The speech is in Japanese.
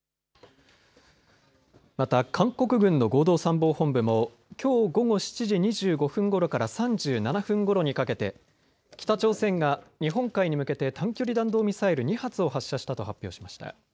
また韓国軍の合同参謀本部もきょう午後７時２５分ごろから３７分ごろにかけて北朝鮮が日本海に向けて短距離弾道ミサイル２発を発射したと発表しました。